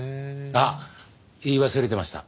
あっ言い忘れてました。